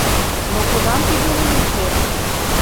Но кунам тиде лийынже?..